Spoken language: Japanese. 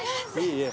いいえ。